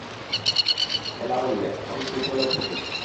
এলা বললে, অন্তু, চলো খেতে।